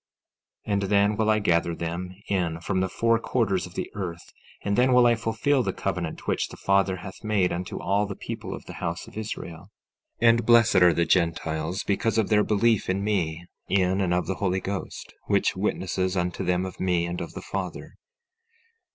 16:5 And then will I gather them in from the four quarters of the earth; and then will I fulfill the covenant which the Father hath made unto all the people of the house of Israel. 16:6 And blessed are the Gentiles, because of their belief in me, in and of the Holy Ghost, which witnesses unto them of me and of the Father.